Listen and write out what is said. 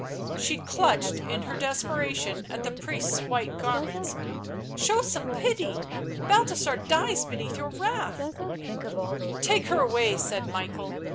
She clutched, in her despeiation, at the priest's white garments. " Show some pity ; Balthasar dies beneath your wrath "" Take her away," said Michael.